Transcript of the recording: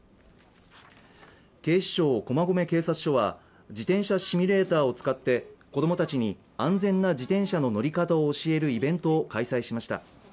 警視庁駒込警察署は、自転車シュミレーターを使って子供たちに安全な自転車の乗り方を教えるイベントを開催しました。